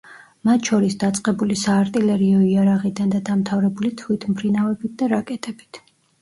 მათ შორის დაწყებული საარტილერიო იარაღიდან და დამთავრებული თვითმფრინავებით და რაკეტებით.